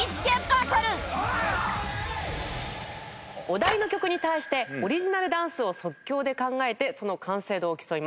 お題の曲に対してオリジナルダンスを即興で考えてその完成度を競います。